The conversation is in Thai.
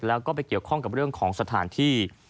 แล้วก็ไปเกี่ยวข้องกับเรื่องของสถานที่